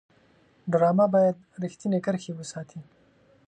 ډرامه باید رښتینې کرښې وساتي